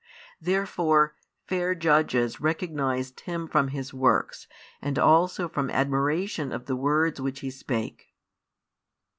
Therefore, fair judges recognised Him from His works and also from admiration of the words which He spake.